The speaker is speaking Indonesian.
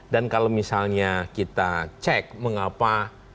dan kalau misalnya kita cek mengapa